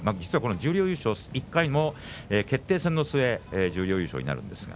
十両優勝１回も決定戦の末十両優勝しました。